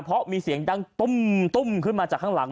เพราะมีเสียงดังตุ้มขึ้นมาจากข้างหลัง